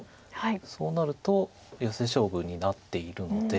そうなるとヨセ勝負になっているので。